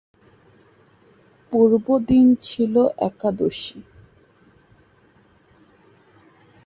কাজটি বারোটি অধ্যায়ে বিভক্ত, যা আরও ষাট পদে বিভক্ত।